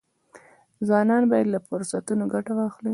ځوانان باید له دې فرصتونو ګټه واخلي.